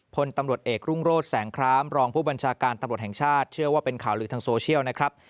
พลตำรวจเอกรุ่งโรธแสงครามรองผู้บัญชาการตำรวจแห่งชาติเชื่อว่าเป็นข่าวลือทางโซเชียลนะครับ